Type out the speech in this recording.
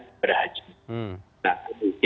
penyelenggaran ibadah haji